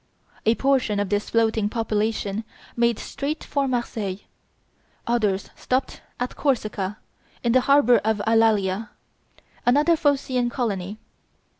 A portion of this floating population made straight for Marseilles; others stopped at Corsica, in the harbor of Alalia, another Phocean colony.